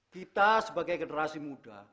kita sebagai generasi muda